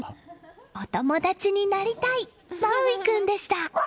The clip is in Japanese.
お友達になりたいマウイ君でした。